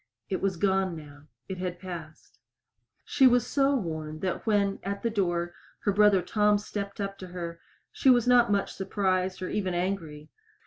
It was gone now. It had passed. She was so worn that when, at the door, her brother Tom stepped up to her she was not much surprised or even angry.